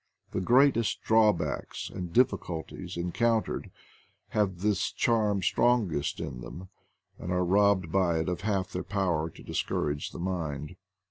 The greatest drawbacks and difficulties en countered have this charm strongest in them, and are robbed by it of half their power to discourage the mind.